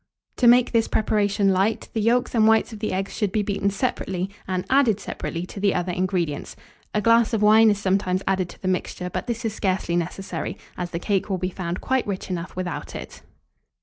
To make this preparation light, the yolks and whites of the eggs should be beaten separately, and added separately to the other ingredients. A glass of wine is sometimes added to the mixture; but this is scarcely necessary, as the cake will be found quite rich enough without it.